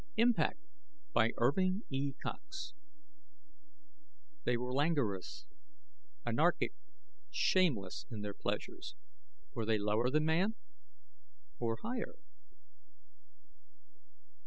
Illustrated by GRAYAM _They were languorous, anarchic, shameless in their pleasures ... were they lower than man ... or higher?